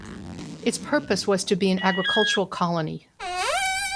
Its purpose was to be an agricultural colony.